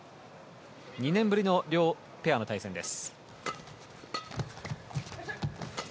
２年ぶりの両ペアの対戦です。